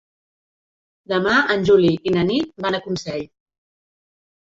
Demà en Juli i na Nit van a Consell.